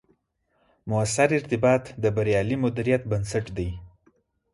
مؤثر ارتباط، د بریالي مدیریت بنسټ دی